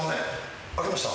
開きました？